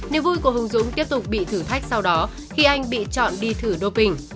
niềm vui của hùng dũng tiếp tục bị thử thách sau đó khi anh bị chọn đi thử doping